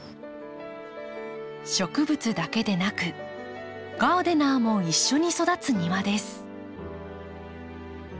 植物だけでなくガーデナーも一緒に育つ庭です。